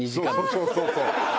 そうそうそうそう。